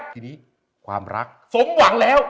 ทีนี้ความรักสมหวังแล้ว